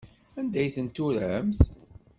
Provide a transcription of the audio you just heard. Anda ay tent-turamt?